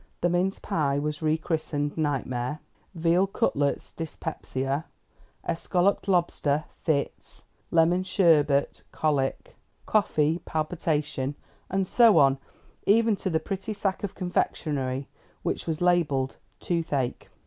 The mince pie was re christened "Nightmare," veal cutlets "Dyspepsia," escalloped lobster "Fits," lemon sherbet "Colic," coffee "Palpitation," and so on, even to the pretty sack of confectionery which was labelled "Toothache."